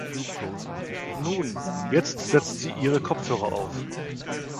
Nun, jetzt setzt sie ihre Kopfhörer auf.